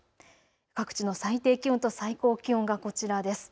各地の最低気温と最高気温がこちらです。